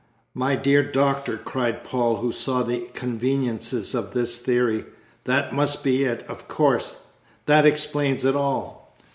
"My dear Doctor," cried Paul, who saw the conveniences of this theory, "that must be it, of course that explains it all!"